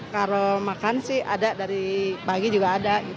kalau makan sih ada dari pagi juga ada